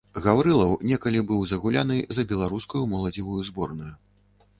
Гаўрылаў некалі быў загуляны за беларускую моладзевую зборную.